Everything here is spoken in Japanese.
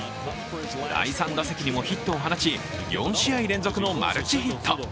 第３打席にもヒットを放ち４試合連続のマルチヒット。